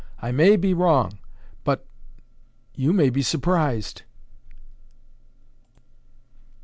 I may be wrong, but, you may be surprised."